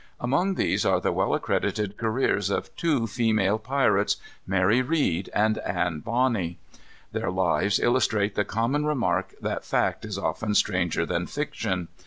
Among these are the well accredited careers of two female pirates, Mary Read and Anne Bonny. Their lives illustrate the common remark that fact is often stranger than fiction.